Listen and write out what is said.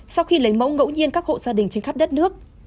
sau khi lấy mẫu ngẫu nhiên các hộ gia đình trên khắp đất nước